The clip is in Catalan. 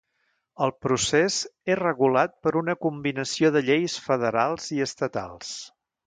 El procés és regulat per una combinació de lleis federals i estatals.